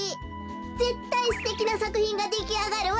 ぜったいすてきなさくひんができあがるわべ。